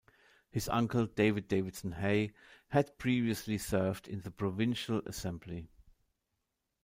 His uncle David Davidson Hay had previously served in the provincial assembly.